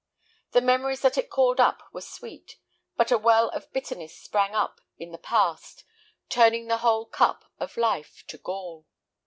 The memories that it called up were sweet, but a well of bitterness sprang up in the past, turning the whole cup of life to gall.